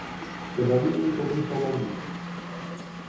Quedaríalle cobiza ao Madrid?